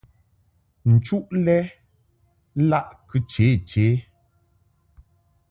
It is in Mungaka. Nchuʼ lɛ laʼ kɨ che che.